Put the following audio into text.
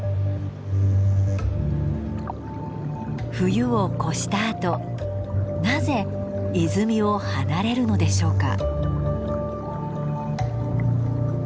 冬を越したあとなぜ泉を離れるのでしょうか？